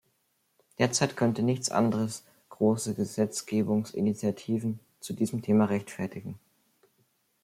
Derzeit könnte nichts anderes große Gesetzgebungsinitiativen zu diesem Thema rechtfertigen.